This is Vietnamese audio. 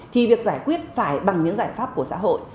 thì việc giải quyết phải bằng những giải pháp của xã hội